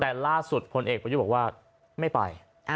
แต่ล่าสุดพลเอกประยุทธ์บอกว่าไม่ไป